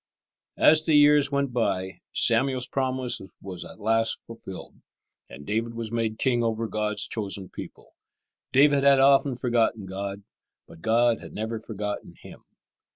As the years went by Samuel's promise was at last fulfilled, and David was made king over God's chosen people. David had often forgotten God, but God had never forgotten him.